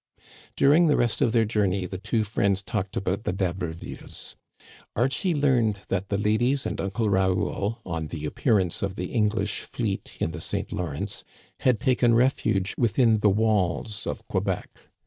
During the rest of their journey the two friends talked about the D'Habervilles. Archie learned that the ladies and Uncle Raoul, on the appearance of the Eng lish fleet in the St. Lawrence, had taken refuge within the walls of Quebec.